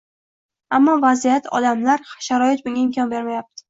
Ammo vaziyat, odamlar, sharoit bunga imkon bermayapti